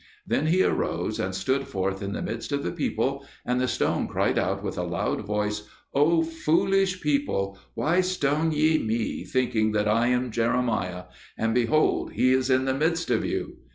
Then he arose and stood forth in the midst of the people, and the stone cried out with a loud voice, "O foolish people, why stone ye me, thinking that I am Jeremiah; and behold, he is in the midst of you!"